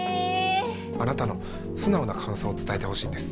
あなたの素直な感想を伝えてほしいんです。